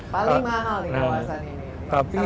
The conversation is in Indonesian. paling mahal di kawasan ini